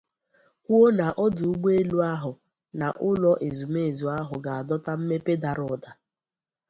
kwuo na ọdụ ụgbọelu ahụ na ụlọ ezumezu ahụ ga-adọta mmepe dara ụda